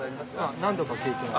何度か経験は。